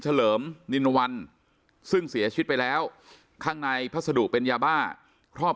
เลิมนินวันซึ่งเสียชีวิตไปแล้วข้างในพัสดุเป็นยาบ้าครอบ